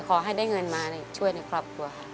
ขอให้ได้เงินมาช่วยในครอบครัวค่ะ